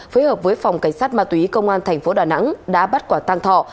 phối hợp với phòng cảnh sát ma túy công an thành phố đà nẵng đã bắt quả tăng thọ